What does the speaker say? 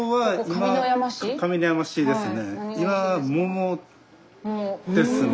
上山市ですね。